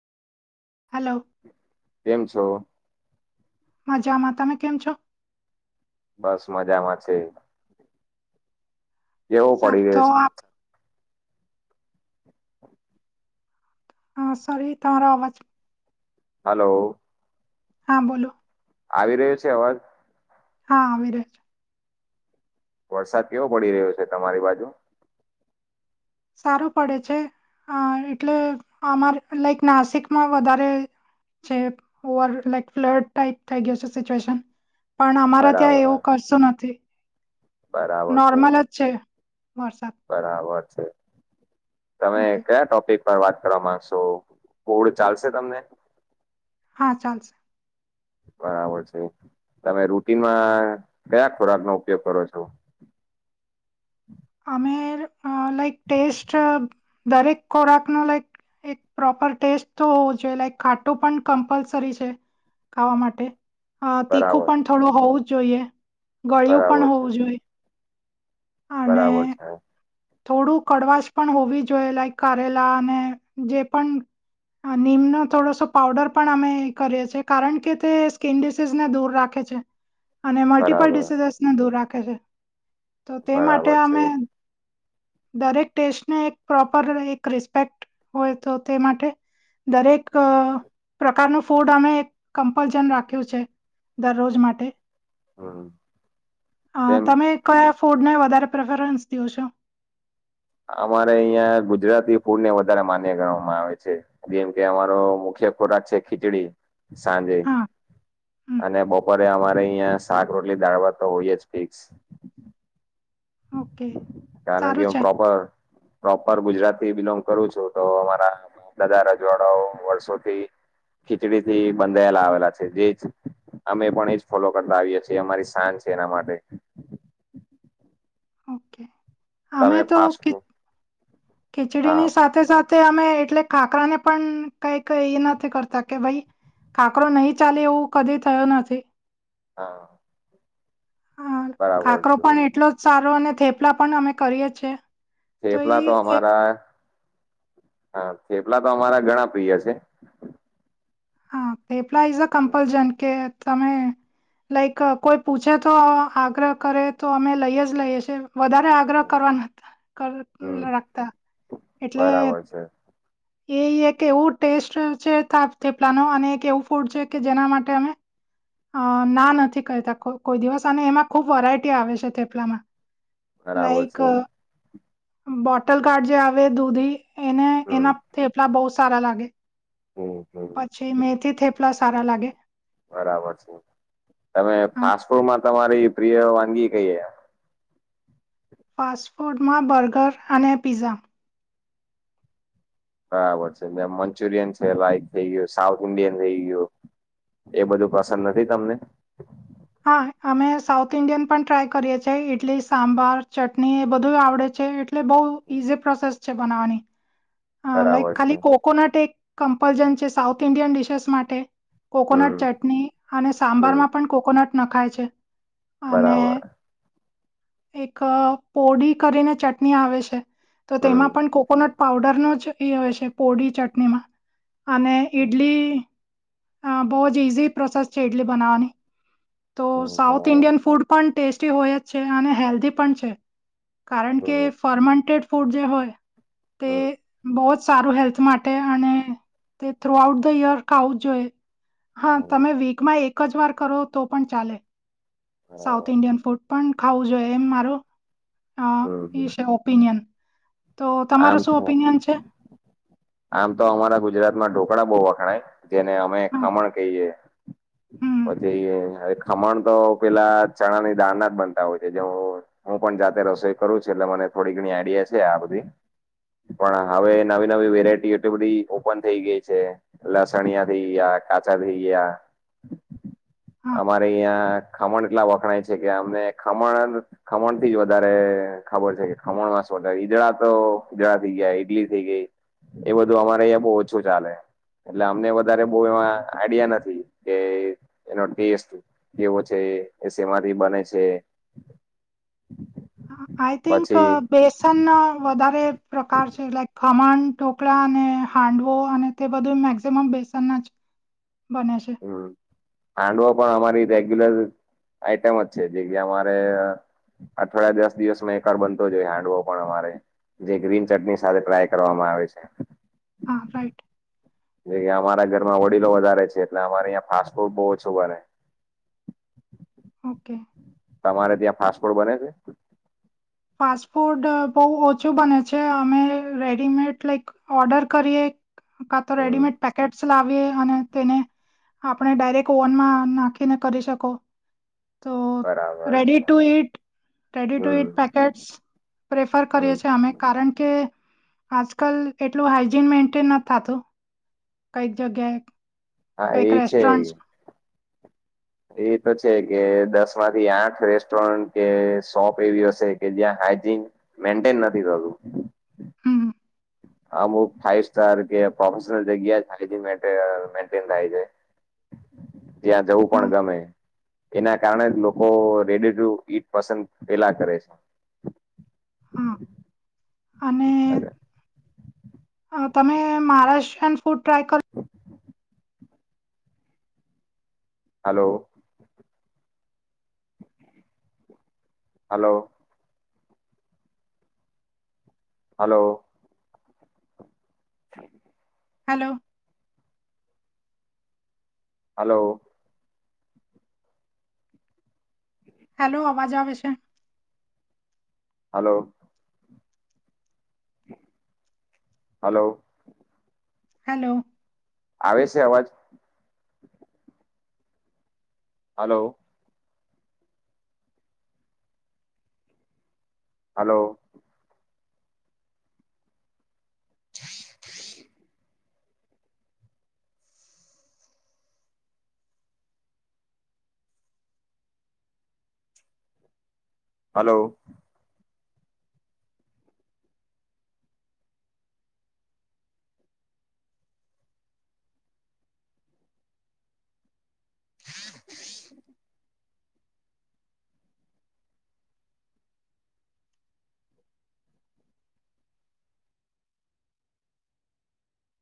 Hello કેમ છો? મજામાં તમે કેમ છો બસ મજામાં છે સારું તો [unintelligible] આપ હા સોરી તારો અવાજ હલો હા બોલો આવી રહ્યું છે અવાજ હા આવી રહ્યો વરસાદ કેવો પડી રહ્યો છે તમારી બાજુ સારું પડે છે અ એટલે અમારે લાઈક નાસિકમાં વધારે જે ઓવર લાઈક ફ્લડ ટાઈપ થઈ ગયો છે સિચ્યુએશન. પણ અમારા ત્યાં બરાબર એવું કરશું નથી નોર્મલ. છે વોટસઅપ. બરાબર છે તમે ઓકે કયા ટોપિક. વાત કરવા માંગશો કોોડ ચાલશે તમને [inaudible] હા ચાલશે. બરાબર છે. તમે રુટીનમાં કયા ખોરાક નો ઉપયોગ કરો છો. અમે લાઈક ટેસ્ટ દરેક ખોરાકનોો લાઈક. એક પ્રોપર ટેસ્ટ તો હોવો જોઈએ લાઈક ખાટું પણ કમ્પલસરી છે. ખાવા માટે તીખું બરાબર પણ થોડું હોવું જ જોઈએ ગળિયું બરાબર પણ છે હોવું જોઈએ. અને બરાબર છે. થોડું કડવાશ પણ હોવી જોઈએ લાઈક કારેલા અને જે પણ. નીમનો થોડોસો પાવડર પણ અમે કરીએ છીએ કારણ કે તે સ્કીિન ડડીસીઝને દૂર રાખે છે. હ. અને મલ્ટિપલ ડિસીઝસને દૂર રાખે છે તો તે માટે બરાબર છે. અમે. દરેક ટેસ્ટને એક પ્રોપર એક રિસ્પેક્ટ હોય તો તે માટે. દરેક પ્રકારનું ફૂડ અમે કમ્પલશન રાખ્યું છે. દરરોજ માટે. હમ હા તેમ તમે કયા ફૂડને વધારે પ્રેફરન્સ દો છો. અમારે અહિયાં ગુજરાતી ફૂડ ને વધારે માન્ય કરવામાં આવે છે. જેમ કે અમારો મુખ્ય ખોરાક છે ખીચડી સાંજે. હા, હમ, અને બપોરે અમારે અહં શાક રોટલી દાળવા તો હોય જ ફિક્સ. ઓકે કારણ કે સારું હ છે, પ્રોપર. પ્રોપર ગુજરાતી બિલોંગ કરું છું તો અમારા બધા રજવાડાઓ વર્ષોથી. ખીચડી થી બંધાયેલા આવેલા છે જે જ. અમે પણ એજ ફોલો કરતા આવીએ છીએ અમારી શાન છે એના માટે. ઓકે અમે તમે ફાસ્ટ તોી ફૂડ ખીચડી હા ની સાથે. સાથે સાથે અમે એટલે ખાકરાને પણ કઈક એ નથી કરતા કે ભાઈ. કાંકરો નહીં ચાલે એવું કદી થયો નથી હા. હા બરાબર કાકરો છે પણ એટલો જ સારો અને થેપલા પણ અમે કરીએ છીએ. ચેપલા તો એ એક અમારા હા ચેપલા તો અમારા ઘણા પ્રિય છે. હા પેપલાઇઝ કપલ કે તમે લાઈક કોઈ પૂછે તો આગ્રહ કરે તો અમે લઈએ જ લઈએ છીએ વધારે આ. આગ્રહ કરવા હમ્મ. રાખતા એટલે. બરાબર છે એ એક એવું ટેસ્ટ છેા થપલા ન અને એક એવું ફૂડ છે કે જેના માટે અમે. અ ના નથી કહેતા કોઈ દિવસ એમાં ખુબ વેરાયટી આવે છે થપલામાં. બરાબર લાઈક છે. બોટલ કાર્ડ જે આવે દૂધી એને હમ્મ એના. થેપલા બહુ સારા લાગે હમ્મ હમ્મ. પછી મેથી થેપલા સારા લાગે. બરાબર છે તમે હા ફાસ્ટ ફૂડમાં તમારી પ્રિય વાનગી કઈ. ફાસ્ટફૂડમાં બર્ગર અને પીઝા. બરાબર છે મંચુરિયન છે લાઈક થઈ ગયું સાઉથ ઇન્ડિયન થઈ ગયું. એ બધું પસંદ નથી તમને. હા અમે સાઉથ ઇન્ડિયન પણ ટ્રાય કરીએ છેએ ઇડલી સાંભાર ચટણી એ બધું આવડે છે. એટલે બહુ ઈઝી પ્રોસેસ છે બનાવવાની. લાઈક બરાબર છે. ખાલી કોકોનટ એક કમ્પલજન છે સાઉથ ઇન્ડિયન ડિશસ માટે. કોકોનટ હમ્મ ચટણી અને હમ્મ. સાંબારમાં પણ કોકોનટ નખાય છે. અને બરાબર. એક પોડી કરીને ચટણી આવે છે. તો હમ્મ. તેમાં પણ કોકોનટ પઉડરનો જ એ આવે છે પોડીી ચટણીમાં. અને હમ્મ ઇડલી અ બો જ ઇઝી પ્રોસેસ છે, ઇડલી બનાવવાની તો સાઉથ ઇન્ડિયન ફૂડ પણ ટેસ્ટી હોય જ છે, અને હેલ્ધી પણ છે. કારણ કે ફર્મેન્ટેડ ફૂડ જે હોય તે બોવ જ સારું હેલ્થ મા તે અને તે થ્રુ આઉટ ધ યર ખાવું જોઈએ હા તમે વીકમાં એ ક જ વાર કરો તો પણ ચાલે સાઉથ ઇન્ડિયન ફૂડ પણ ખાવું જોઈએ એમ મારો અ હમ્મ. એ છે, ઓપિનિયન તો તમારો આમ શું તો ઓપિનિયન છે? આમ તો અમારા ગુજરાતમાં ઢોકળા બો વખણાય જેને અમે હા ખમણ કહીએ હમ પછી એ ખમણ તો પેલા ચણાની દાળના જ બનતા હોય છે, જેમ હું પણ જાતે રસોઈ કરું છું એટલે મને થોડી ઘણી આઈડિયા છે, આ બધી પણ હવે નવી નવી વેરાયટી એટલી બધી ઓપન થઈ ગઈ છે. લસણિયા થઈ ગયા કાચા થઈ ગયા હા અમારે અહિયાં ખમણ એટલા વખણાય છે, કે અમને ખમણ ખમણ થી જ વધારે ખબર છે, કે ખમણમાંસ વધારે ઈદડા તો ઈદડા થઇ ગયા ઈટલી થઇ ગઈ એ બધું અમારે અહંયા બો ઓછું ચાલે એટલે અમને વધારે બો એમાં આઈડિયા નથી કે એનો ટેસ્ટ કેવો છે, એ સેમાંથી બને છે. આઈથીક અ પછી બે સનનો વધારે પ્રકાર છે, લાઈક ખમણ, ટોકળા અને હાંડવો અને તે બધું મેક્ઝિમમ બેસનના જ બને છે. હમ હાંડવો પણ અમારી રેગ્યુલર આઈટમ જ છે, જે કેયા અમારે અઠવાડિયા દસ દિવસમાં એક વાર બનતો જ હોય હેન્ડવો પણ અમારે જે ગ્રીન ચટણી સાથે ટ્રાય કરવામાં આવે છે. હા રાઈટ જે કે અમારા ઘરમાં વડીલો વધારે છે, એટલે અમારે અં ફાસ્ટ ફૂડ બો ઓછું બને ઓકે. તમારે ત્યાં ફાસ્ટ ફૂડ બને છે? ફાસ્ટ ફૂડ બોવ ઓછું બને છે, અમે રેડીમેડ લાઈક ઓર્ડર કરીએ કા તો હમ રેડીમેડ પેકેટસ લાવીએ અને તેને આપણે ડાયરેક્ટ ઓવનમાં નાખીને કરી શકો તો બરાબર રેડી છે to eat ready to hmm eat packet prefer કરીએ હમ છે, અમે કારણ કે આજકાલ એટલું હાઈજીન મેન્ટેન નથી થાતું કઈક જગ્યાએ હા કઈક એ છે. રેસ્ટોરન્ટ્સ એ તો છે, કે દસ માંથી આઠ રેસ્ટોરન્ટ કે શોપ એવી હશે કે જ્યાં હાઈજીન મેન્ટેન નથી થતું હમ અમુક ફાઈવ સ્ટાર કે પ્રોફેશનલ જગ્યા [unintelligible] મેન્ટેન થાય છે. ત્યાં જવું પણ હા ગમે એના કારણે જ લોકો રેડી ટુ ઈટ પસંદ પેલા કરે છે. હા અને છે અ તમે મહારાષ્ટ્રીયન ફૂડ ટ્રાય ક હાલો. હાલો. હાલો. હાલો. હાલો. હાલો અવાજ આવે છે. હાલો. હલો હલો આવે છે અવાજ હલો હલો જ જ [unintelligible] હલો હા [unintelligible] [inaudible]